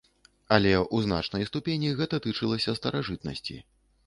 Але ў значнай ступені гэта тычылася старажытнасці.